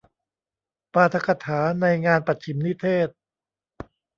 ปาฐกถาในงานปัจฉิมนิเทศ